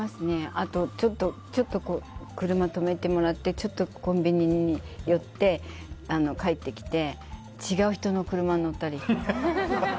あと、ちょっと車止めてもらってちょっとコンビニに寄って帰ってきて違う人の車に乗ったりします。